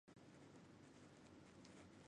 本科鱼类广泛分布于各大洋。